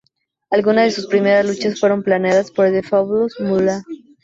Algunas de sus primeras luchas fueron planeadas por The Fabulous Moolah.